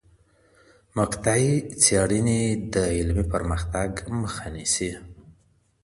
مقطعي څېړني د علمي پرمختګ مخه نیسي.